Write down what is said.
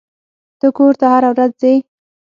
ته کور ته هره ورځ ځې.